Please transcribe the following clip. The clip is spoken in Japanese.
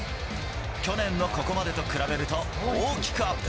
去年のここまでと比べると、大きくアップ。